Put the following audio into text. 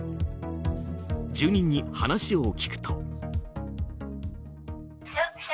住人に話を聞くと。